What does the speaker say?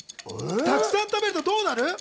たくさん食べるとどうなる？